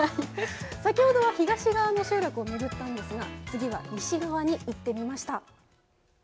先ほどは東側の集落を巡ったんですが次は西側に行ってみました。